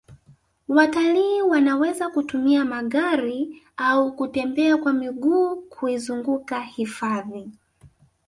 watalii wanaweza kutumia magari au kutembea kwa miguu kuizunguka hifadhi